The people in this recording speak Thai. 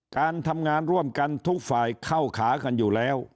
การทำงานร่วมกันทุกฝ่ายเข้าขากันอยู่แล้ว